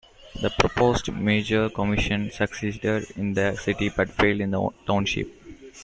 The proposed merger commission succeeded in the city but failed in the township.